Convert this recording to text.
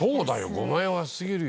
５万円は安すぎるよ。